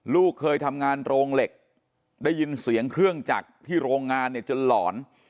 ลูกเคยทำงานโรงเหล็กได้ยินเสียงเครื่องจักรที่โรงงานเนี่ยจนหลอน